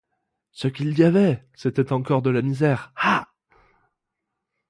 Ce qu'il y avait, c'était encore de la misère, ah!